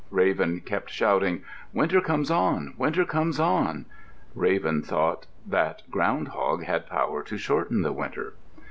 Raven kept shouting, "Winter comes on. Winter comes on." Raven thought that Ground hog had power to shorten the winter.